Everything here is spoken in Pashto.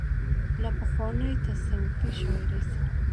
له پخوانۍ تصوفي شاعرۍ سره